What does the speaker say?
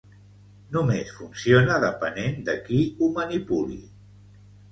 Només funciona depenent de qui ho manipuli